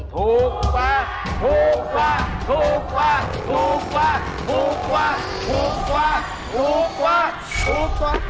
ถูกกว่าถูกกว่าถูกกว่าถูกกว่าถูกกว่าถูกกว่าถูกกว่าถูกกว่า